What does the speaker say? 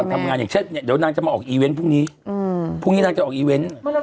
ก่อนทำงานอย่างเดี๋ยวนางจะมาออกอีเวนท์พรุ่งนี้อืมพรุ่งนี้นางจะออกอีเว้นท์